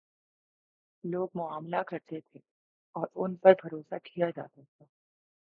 لوگ معاملہ کرتے تھے اور ان پر بھروسہ کیا جا تا تھا۔